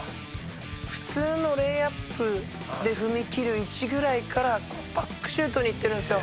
「普通のレイアップで踏み切る位置ぐらいからバックシュートにいってるんですよ」